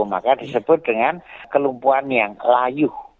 makanya disebut dengan kelumpuan yang layu